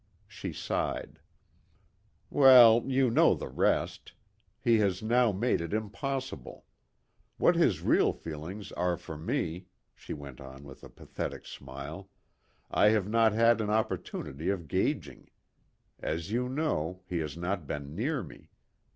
She sighed. "Well, you know the rest. He has now made it impossible. What his real feelings are for me," she went on with a pathetic smile, "I have not had an opportunity of gauging. As you know, he has not been near me.